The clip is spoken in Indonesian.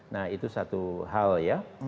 nah itu satu hal ya